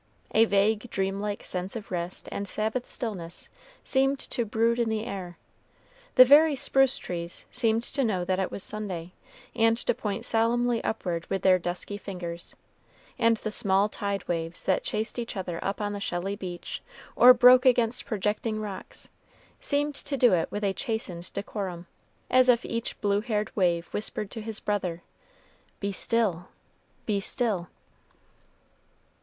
A vague, dreamlike sense of rest and Sabbath stillness seemed to brood in the air. The very spruce trees seemed to know that it was Sunday, and to point solemnly upward with their dusky fingers; and the small tide waves that chased each other up on the shelly beach, or broke against projecting rocks, seemed to do it with a chastened decorum, as if each blue haired wave whispered to his brother, "Be still be still."